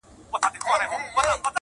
څوک چي مړ سي هغه ځي د خدای دربار ته!!